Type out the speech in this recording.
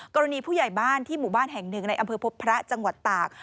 กรณีผู้ใหญ่บ้านที่หมู่บ้านแห่งหนึ่งในอำเภอพบพระจังหวัดตาก